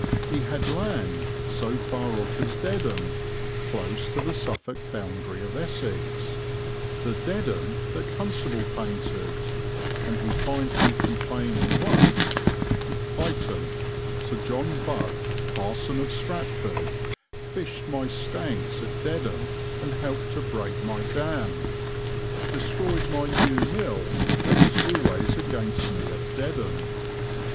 He had land so far off as Dedham, close to the Suffolk boundary of Essex, the Dedham that Constable painted, and we find him complaining once, "Item, Sir John Buck parson of Stratford fished my stanks at Dedham and helped to break my dam, destroyed my new mill and was always against me at Dedham."